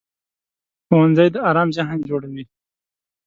ښوونځی د ارام ذهن جوړوي